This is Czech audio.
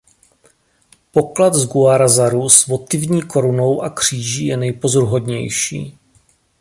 Poklad z Guarrazaru s votivní korunou a kříži je nejpozoruhodnější.